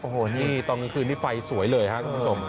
โอ้โหนี่ตอนกลางคืนนี้ไฟสวยเลยครับคุณผู้ชม